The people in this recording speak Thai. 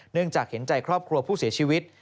จากเห็นใจครอบครัวผู้เสียชีวิต